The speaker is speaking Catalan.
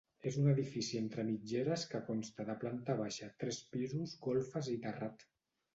És un edifici entre mitgeres que consta de planta baixa, tres pisos, golfes i terrat.